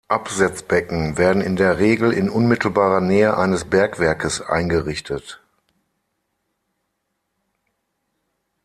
Absetzbecken werden in der Regel in unmittelbarer Nähe eines Bergwerkes eingerichtet.